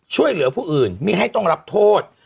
ช่วยเหลือผู้อื่นไม่ให้ต้องรับโทษ